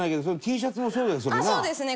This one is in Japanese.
あっそうですね。